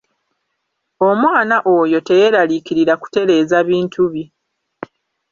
Omwana oyo teyeeraliikirira kutereeza bintu bye.